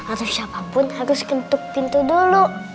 atau siapapun harus kentuk pintu dulu